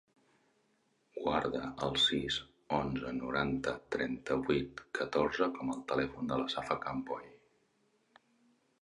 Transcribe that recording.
Guarda el sis, onze, noranta, trenta-vuit, catorze com a telèfon de la Safa Campoy.